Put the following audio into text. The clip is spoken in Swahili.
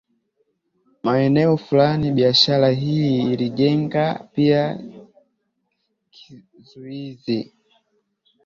maeneo fulani biashara hii ilijenga pia kizuizi